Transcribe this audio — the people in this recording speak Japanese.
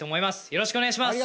よろしくお願いします。